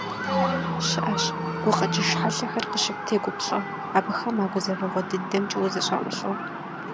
ЩыӀэщ гукъэкӀыж хьэлъэхэр къыщыптегуплӀэ, абыхэм а гузэвэгъуэ дыдэмкӀэ узэщӀаӀулӀэу.